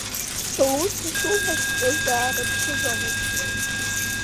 Лус ишылҳәаҵәҟьоздарааԥсаӡомызт.